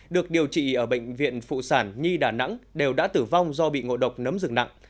được điều trị ở bệnh viện phụ sản nhi đà nẵng đều đã tử vong do bị ngộ độc nấm rừng nặng